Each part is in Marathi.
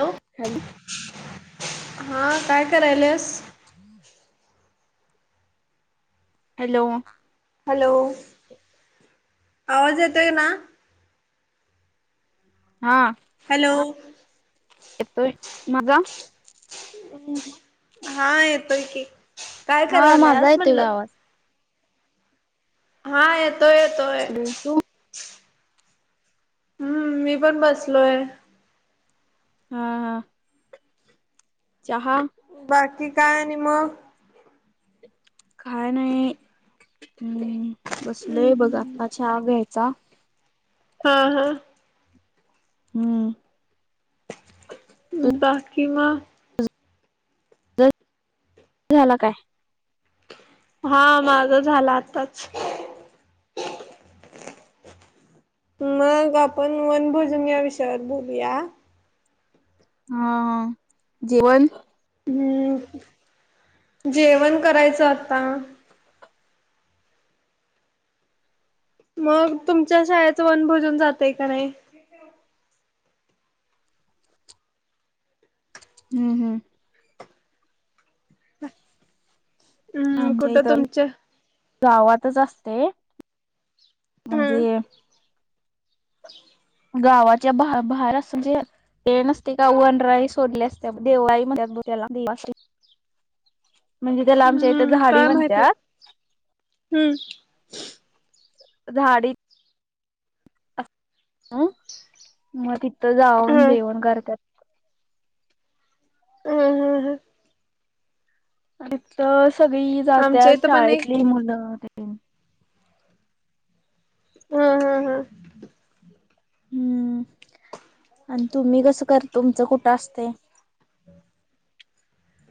हॅलो हॅलो हा काय करायल्यास? हॅलो. हॅलो आवाज येतोय ना? हा. हॅलो. येतोय माझा हम्म हा येतोय की, काय हा माझा करायल्यास येतोय ग म्हटलं? आवाज हा येतोय येतोय. तू हम्म मी पण बसलोय. हा हा. चहा. बाकी काय आणि मग. काय नाही अम्म बसलोय बघ आता चहा घ्यायचा. हा हा. हम्म. बाकी म ज झाला काय? हा माझा झाला आताच. मग आपण वनभोजन या विषयावर बोलूया. हा हा जेवणं. हम्म जेवण करायचं आता. मग तुमच्या शाळेचं वनभोजन जातयं का नाही? [inaudible] हम्म हम्म. हम्म कुठं तुमचं. गावातचं असते हम्म म्हणजे [inaudible] गावाच्या बा बाहेर असं म्हणजे ते नसते का वनराई सोडले असते देवराई म्हणत्यात त्याला म्हणजे त्याला आमच्या इथं हम्म झाडी काय माहित नाही म्हणतात हम्म. झाडी. ह मग तथथं हा जाऊन जेवण करतात हम हा ह तथ सगळी आमच्या जात्या इथं पण एक शाळेतली मुलं तेन. हा हा हा. हम्म आणि तुम्ही कसं कर तुमचं कुठं असते?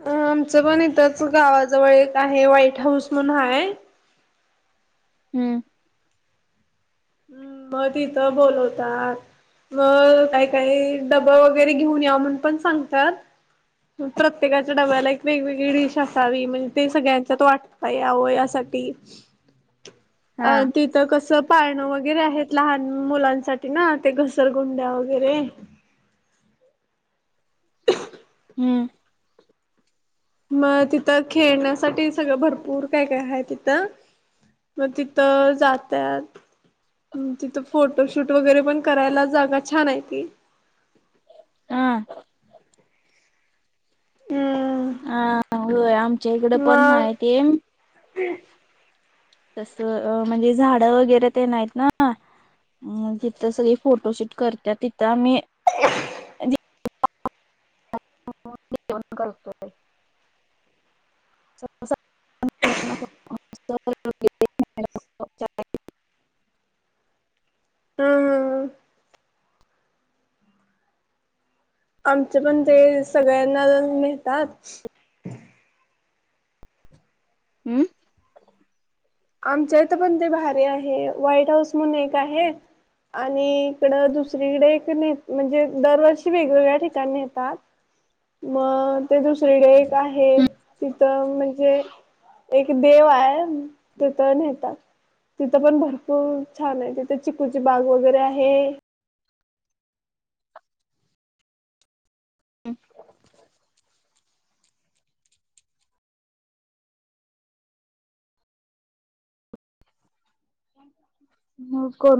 अ आमचं पण इथंच गावाजवळ एक आहे व्हाईट हाऊस म्हणून हाय. हम्म हम्म मग तिथं बोलवतात. मग काही काही डबा वगैरे घेऊन या म्हणून पण सांगतात. प्रत्येकाच्या डब्याला एक वेगवेगळी डिश असावी म्हणजे ते सगळ्यांच्या तो वाट या व यासाठी अ हा ते तर कसं पाळणं वगैरे आहेत लहान मुलांसाठी ना ते घसरगुंड्या वगैरे हम्म मग तिथं खेळण्यासाठी सगळं भरपूर काय काय आहे तिथं मग तिथं जातात तिथं फोटोशूट वगैरे पण करायला जागा छान आहे ती हा ह अ हो आमच्या इकड पण ह ते हम् तसं म्हणजे झाडं वगैरे तेन आहेत ना अ जिथं सगळी फोटोशूट करतात तिथं आम्ही तोय [unintelligible] हम्म हम्म आमचे पण ते सगळ्यांना मिळेतात. हम्म आमच्या इथ पण ते भारी आहे व्हाईट हाऊस म्हणून एक आहे. आणि इकडं दुसरीकडे म्हणजे दरवर्षी वेगवेगळ्या ठिकाणी नेतात. मग ते दुसरीडे एक आहे तिथं म्हणजे एक देव आहे. तिथं नेतात तिथं पण भरपूर छान आहे तिथे चिकूची बाग वगैरे आहे. हम् ह कोण